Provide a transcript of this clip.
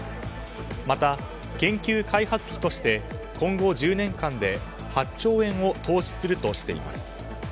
また、研究開発費として今後１０年間で８兆円を投資するとしています。